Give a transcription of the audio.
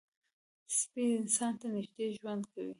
سپي انسان ته نږدې ژوند کوي.